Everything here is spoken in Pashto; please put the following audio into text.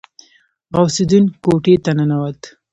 غوث الدين کوټې ته ننوت.